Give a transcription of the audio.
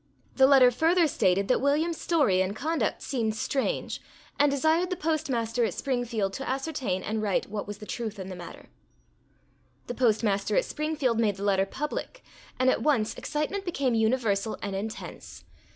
The letter further stated that William's story and conduct seemed strange, and desired the Postmaster at Springfield to ascertain and write what was the truth in the matter. The Postmaster at Springfield made the letter public, and at once, excitement became universal and intense.